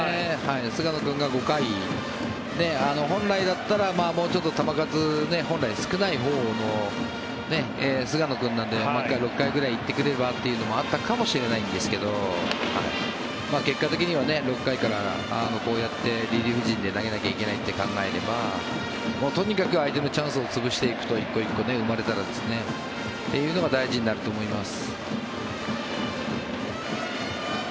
菅野君が５回本来だったらもうちょっと球数本来、少ないほうの菅野君なので６回ぐらい行ってくれればというのはあったかもしれないんですが結果的には６回からこうやってリリーフ陣で投げなきゃいけないと考えればとにかく相手のチャンスを潰していくと１個１個生まれたらというのが大事になると思います。